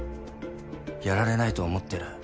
やられないと思ってる？